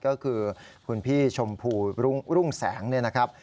ก็คือคุณพี่ชมพูรุ่งแสงเนี่ยนะครับ